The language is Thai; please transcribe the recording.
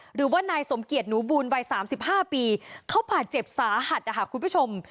หรือว่านายสมเกียจหนูบูลวัย๓๕ปีเขาบาดเจ็บสาหัสนะคะคุณผู้ชม